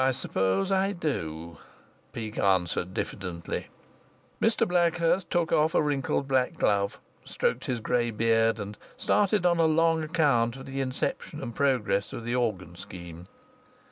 "I suppose I do," Peake answered diffidently. Mr Blackhurst took off a wrinkled black glove, stroked his grey beard, and started on a long account of the inception and progress of the organ scheme.